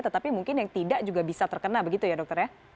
tetapi mungkin yang tidak juga bisa terkena begitu ya dokter ya